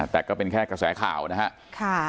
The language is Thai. แต่ก็เป็นแค่กระแสข่าวนะครับ